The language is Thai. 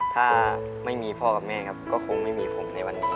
ถ้าไม่มีพ่อกับแม่ครับก็คงไม่มีผมในวันนี้